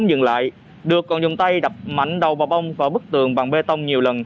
lúc này được còn dùng tay đập mạnh đầu bà bông vào bức tường bằng bê tông nhiều lần